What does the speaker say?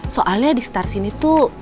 soalnya di starzini tuh